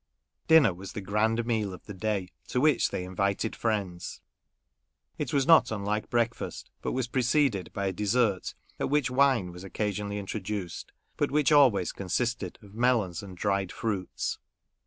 Dinner was the grand meal of the da}', to which they invited friends. It was not unlike breakfast, but was preceded by a dessert, at which wine was occasionally introduced, but which always consisted of melons and dried fruits.